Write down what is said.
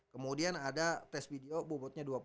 kemudian ada tes video bobotnya dua puluh